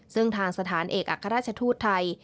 ซึ่งทางสถานเอกอัครราชทูตไทย